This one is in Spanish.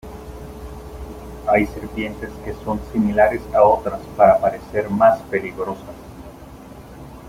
Hay serpientes que son similares a otras para parecer más peligrosas.